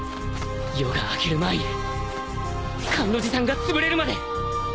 夜が明ける前に甘露寺さんがつぶれるまで